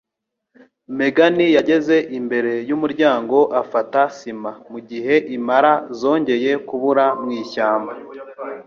Megan yageze imbere yumuryango afata sima mugihe impala zongeye kubura mwishyamba.